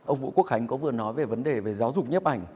ông vũ quốc khánh có vừa nói về vấn đề về giáo dục nhếp ảnh